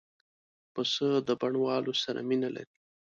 پسه د بڼوالو سره مینه لري.